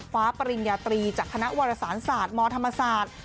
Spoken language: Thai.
ปริญญาตรีจากคณะวรสารศาสตร์มธรรมศาสตร์